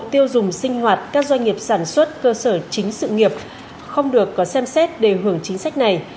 tiêu dùng sinh hoạt các doanh nghiệp sản xuất cơ sở chính sự nghiệp không được có xem xét để hưởng chính sách này